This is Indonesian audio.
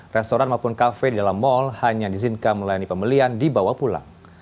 restoran maupun kafe di dalam mall hanya diizinkan melayani pembelian dibawa pulang